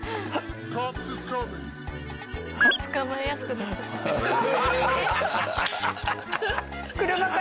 捕まえやすくなっちゃった。